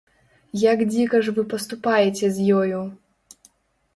Як дзіка ж вы паступаеце з ёю.